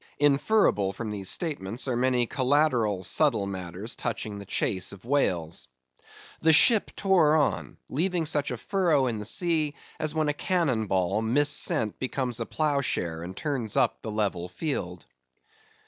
Inferable from these statements, are many collateral subtile matters touching the chase of whales. The ship tore on; leaving such a furrow in the sea as when a cannon ball, missent, becomes a plough share and turns up the level field.